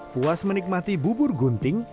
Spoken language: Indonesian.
puas menikmati bubur gunting